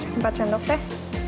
satu per empat sendok teh